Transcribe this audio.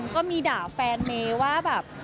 ก็มีด่าแฟนเมย์ว่าแบบ